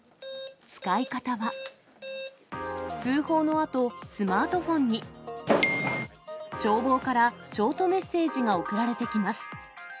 使い方は、通報のあと、スマートフォンに、消防からショートメッセージが送られてきます。